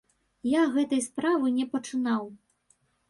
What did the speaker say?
Я гэтай справы не пачынаў.